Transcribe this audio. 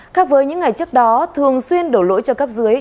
khác với những ngày trước đó thường xuyên đổ lỗi cho cấp dưới